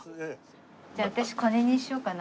じゃあ私これにしようかな。